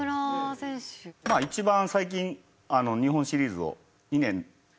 まあ一番最近日本シリーズを２年連続で。